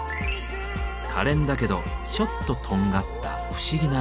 かれんだけどちょっととんがった不思議な魅力。